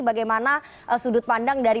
bagaimana sudut pandang dari